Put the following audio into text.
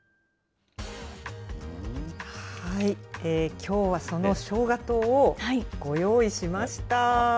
きょうはそのしょうが糖を、ご用意しました。